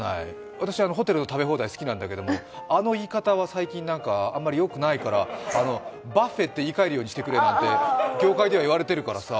私、ホテルの食べ放題好きなんだけどあの言い方は最近あまりよくないから、バッフェって言いかえるようにしてくれって業界では言われているからさ。